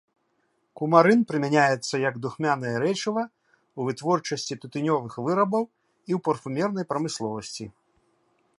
Кумарын прымяняецца як духмянае рэчыва ў вытворчасці тытунёвых вырабаў і ў парфумернай прамысловасці.